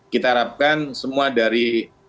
kita harapkan semua dari